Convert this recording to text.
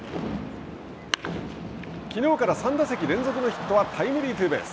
きのうから３打席連続のヒットはタイムリーツーベース。